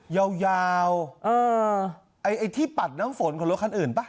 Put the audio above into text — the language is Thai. ยาวยาวไอ้ที่ปัดน้ำฝนของรถคันอื่นป่ะ